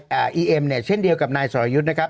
ที่ติดกำไรเอ่ออีเอ็มเนี้ยเช่นเดียวกับนายสอยุทธิ์นะครับ